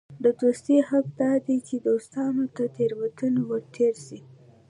د دوستي حق دا دئ، چي د دوستانو تر تېروتنو ور تېر سې.